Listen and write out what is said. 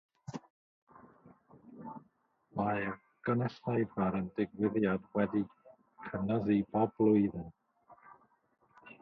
Mae'r gynulleidfa yn y digwyddiad wedi cynyddu bob blwyddyn.